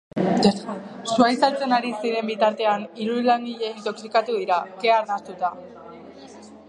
Sua itzaltzen ari ziren bitartean, hiru langile intoxikatu dira, kea arnastuta.